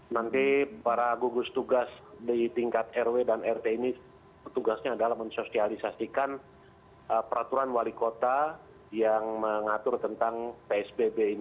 nanti para gugus tugas di tingkat rw dan rt ini tugasnya adalah mensosialisasikan peraturan wali kota yang mengatur tentang psbb ini